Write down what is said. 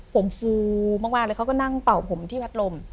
ผมฟูมากเลยเขาก็นั่งเป่าผมที่พัดลม